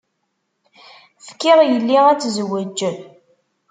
Fkiɣ yelli ad tezweǧ.